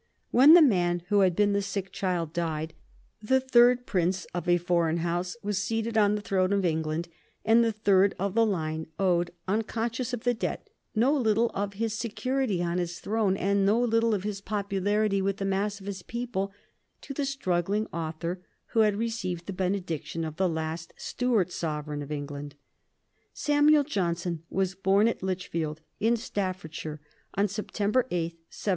When the man who had been the sick child died, the third prince of a foreign house was seated on the throne of England, and the third of the line owed, unconscious of the debt, no little of his security on his throne and no little of his popularity with the mass of his people to the struggling author who had received the benediction of the last Stuart sovereign of England. Samuel Johnson was born at Lichfield, in Staffordshire, on September 8, 1709.